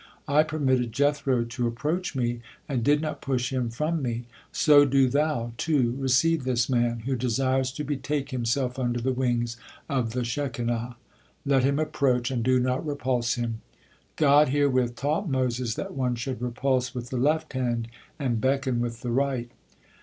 I permitted Jethro to approach Me, and did not push him from Me. So do thou, too, receive this man, who desires to betake himself under the wings of the Shekinah, let him approach, and do not repulse him." God herewith taught Moses that one should repulse with the left hand, and beckon with the right.